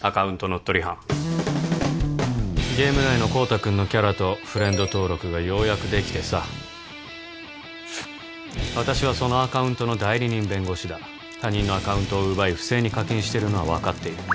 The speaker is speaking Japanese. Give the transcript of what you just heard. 乗っ取り犯ゲーム内の孝多君のキャラとフレンド登録がようやくできてさ「私はそのアカウントの代理人弁護士だ」「他人のアカウントを奪い不正に課金しているのはわかっている」